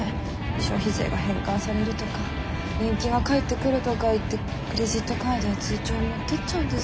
「消費税が返還される」とか「年金が返ってくる」とか言ってクレジットカードや通帳持ってっちゃうんですって。